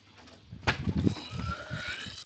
Ad teddumt yid-s?